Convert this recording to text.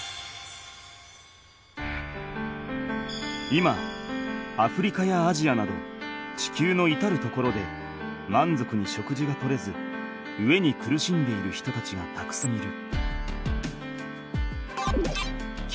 今アフリカやアジアなど地球のいたる所でまんぞくに食事が取れず飢えに苦しんでいる人たちがたくさんいる。